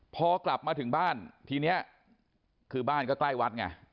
พอกลับมาถึงบ้านทีนี้คือบ้านก็ใกล้วัดไง